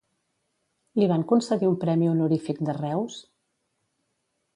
Li van concedir un premi honorífic de Reus?